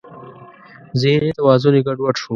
ذهني توازن یې ګډ وډ شو.